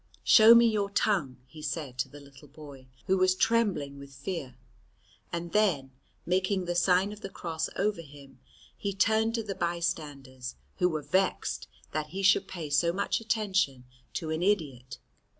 "Show me your tongue," he said to the little boy, who was trembling with fear; and then, making the sign of the Cross over him, he turned to the bystanders, who were vexed that he should pay so much attention to an idiot.